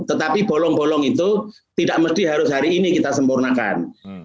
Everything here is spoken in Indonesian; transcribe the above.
tetapi bolong bolong itu tidak mesti harus hari ini kita sempurnakan